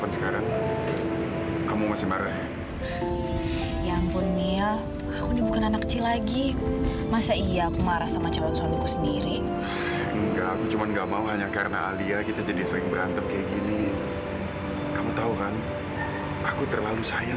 sampai jumpa di video selanjutnya